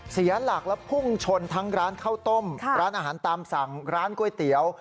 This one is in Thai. เสียหลักและพุ่งชนทั้งร้านข้าวต้มร้านอาหารตามสั่งร้านก๋วยเตี๋ยว